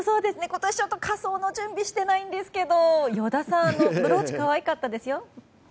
今年仮装の準備してないんですけど依田さん、ブローチ可愛かったですよ！